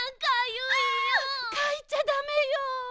かいちゃダメよ！